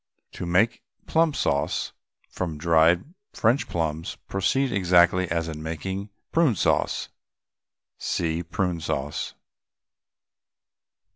To make plum sauce from dried French plums proceed exactly as in making Prune Sauce. (See PRUNE SAUCE.)